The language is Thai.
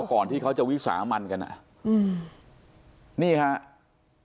ก่อนที่จะควิสามากมันกัน